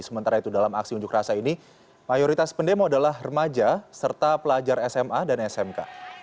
sementara itu dalam aksi unjuk rasa ini mayoritas pendemo adalah remaja serta pelajar sma dan smk